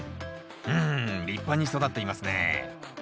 うん立派に育っていますね。